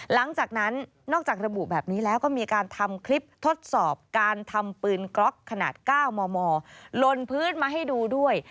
นอกจากระบุแบบนี้แล้วก็มีการทำคลิปทดสอบการทำปืนกล็อกขนาด๙มมลนพื้นมาให้ดูด้วย